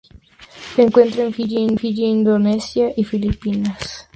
Se encuentra en Fiyi, Indonesia y Filipinas.